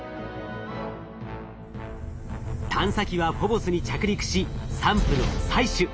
探査機はフォボスに着陸しサンプルを採取。